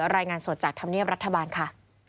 รายงานสดจากธรรมเนียบรัฐบาลค่ะ